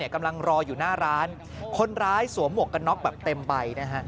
กำลังรออยู่หน้าร้านคนร้ายสวมหมวกกันน็อกแบบเต็มใบนะฮะ